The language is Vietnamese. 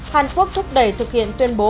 hàn quốc thúc đẩy thực hiện tuyên bố